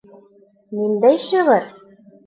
— Ниндәй шиғыр?